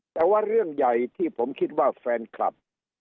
แต่ว่าเรื่องใหญ่ที่ผมคิดว่าแฟนคลับ